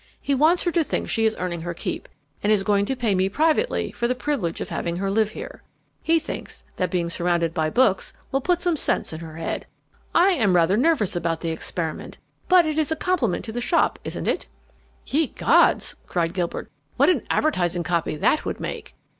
He wants her to think she is earning her keep, and is going to pay me privately for the privilege of having her live here. He thinks that being surrounded by books will put some sense in her head. I am rather nervous about the experiment, but it is a compliment to the shop, isn't it?" "Ye gods," cried Gilbert, "what advertising copy that would make!"